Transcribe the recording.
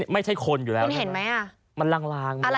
ไม่ใช่คนอยู่แล้วใช่ไหมมันลางมันลางคุณเห็นไหม